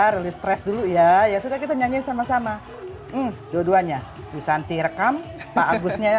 release press dulu ya ya sudah kita nyanyiin sama sama dua duanya basanti rekam pak agusnya